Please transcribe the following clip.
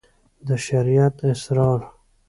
د شريعت اسرار